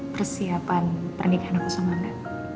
persiapan pernikahan aku sama angga